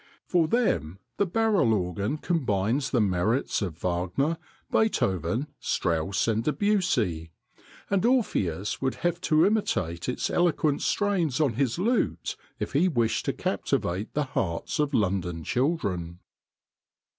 For them the barrel organ combines the merits of Wagner, Beethoven, Strauss, and Debussy, and Orpheus would have to imitate its eloquent strains on his lute if he wished to captivate the hearts of London children.